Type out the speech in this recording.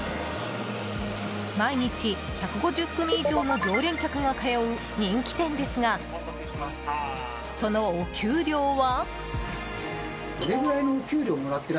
毎日１５０組以上の常連客が通う人気店ですが、そのお給料は？